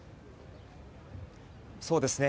そうですね。